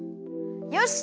よし！